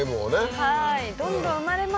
はい。